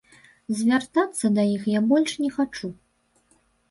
Звяртацца да іх я больш не хачу.